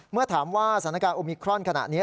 เมื่อถามว่าสถานการณ์โอมิครอนขณะนี้